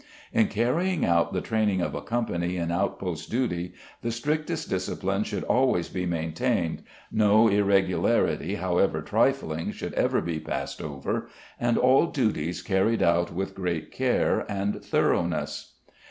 In carrying out the training of a company in outpost duty the strictest discipline should always be maintained, no irregularity, however trifling, should ever be passed over, and all duties carried out with great care and thoroughness.